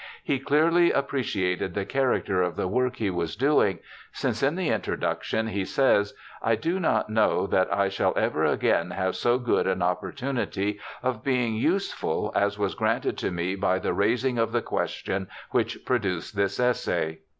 He clearly appreciated the character of the work he was doing, since in the introduction he says, ' I do not know that I shall ever again have so good an opportunity of being useful as was granted to me by the raising of the question which produced this essay.'